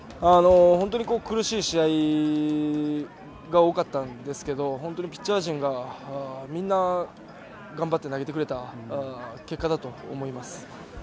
苦しい試合が多かったですけど、ピッチャー陣が、みんな頑張って投げてくれた結果だと思います。